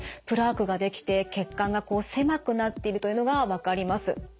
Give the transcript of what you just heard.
プラークができて血管が狭くなっているというのが分かります。